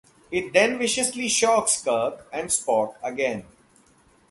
It then viciously shocks Kirk and Spock again.